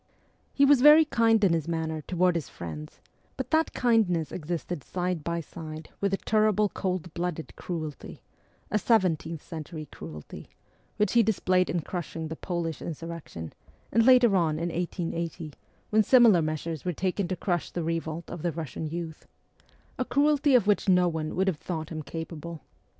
He was very kind in his manner toward his friends, but that kindness existed side by side with the terrible cold blooded cruelty a seventeenth century cruelty which he displayed in crushing the Polish insurrection, and later on in 1880, when similar measures were taken to crush the revolt of the Russian youth a cruelty of which no one would have thought him capable.